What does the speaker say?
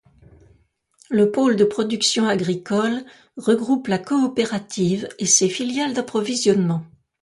Le pôle de production agricole regroupe la coopérative et ses filiales d'approvisionnement.